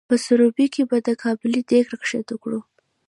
په سروبي کې به د قابلي دیګ را ښکته کړو؟